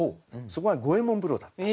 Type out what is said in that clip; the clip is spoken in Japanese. そこが五右衛門風呂だった。